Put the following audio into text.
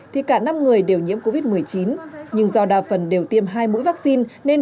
thì cả năm người đều nhiễm covid một mươi chín nhưng do đa phần đều tiêm hai mũi vaccine nên